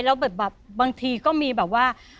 แล้วแบบบางทีก็มีแบบว่า